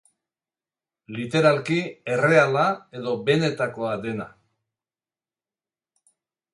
Literalki, erreala edo benetakoa dena.